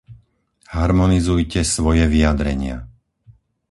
Harmonizujte svoje vyjadrenia!